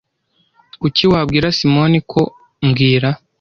Kuki wabwira Simoni ko mbwira